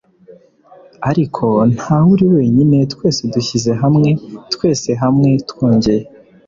Ariko ntawe uri wenyine twese dushyize hamwe twese hamwe twongeye